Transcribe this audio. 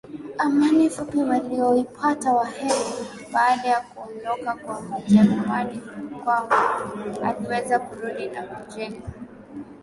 Amani fupi walioipata wahehe Baada ya kuondoka kwa Wajerumani Mkwawa aliweza kurudi na kujenga